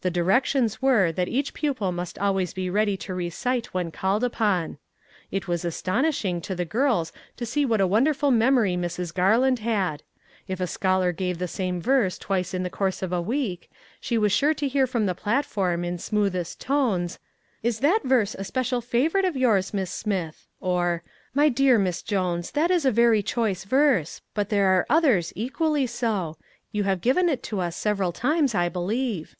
The di rections were that each pupil must always be ready to recite when called upon. It was as tonishing to the girls to see what a wonderful memory Mrs. Garland had. If a scholar gave the same verse twice in the course of a week, she was sure to hear from the platform in smoothest tones, " Is that verse a special favor ite of yours, Miss Smith !" or " My dear Miss Jones, that is a very choice verse, but there are others equally so ; you have given it to us sev 3 2 7 MAG AND MARGARET eral times, I believe."